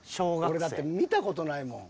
俺だって見た事ないもん。